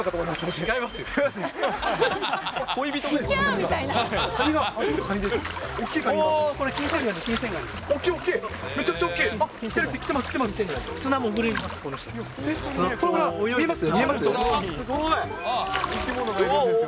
違いますね。